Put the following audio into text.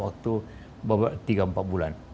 waktu tiga empat bulan